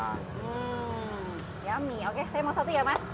hmm yummy oke saya mau satu ya mas